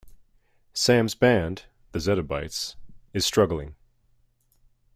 Sam's band, the Zetta Bytes, is struggling.